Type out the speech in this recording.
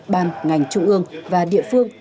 ban ngành trung ương và địa phương